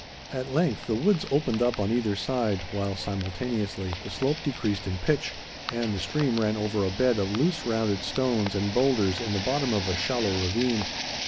At length the woods opened up on either side, while, simultaneously, the slope decreased in pitch, and the stream ran over a bed of loose, rounded stones and boulders in the bottom of a shallow ravine.